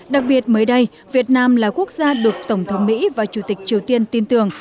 đặc biệt mới đây việt nam là quốc gia được tổng thống mỹ và chủ tịch triều tiên tin tưởng